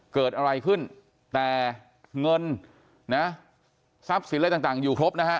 เกิดอะไรขึ้นแต่เงินนะทรัพย์สินอะไรต่างอยู่ครบนะฮะ